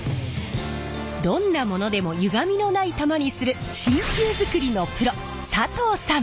どんなものでもゆがみのない球にする真球づくりのプロ佐藤さん！